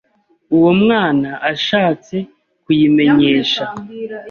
uwo Mwana ashatse kuyimenyesha